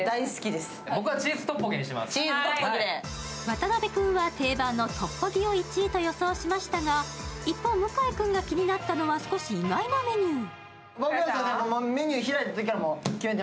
渡辺君は定番のトッポギを１位と予想しましたが一方、向井君が気になったのは少し意外なメニュー。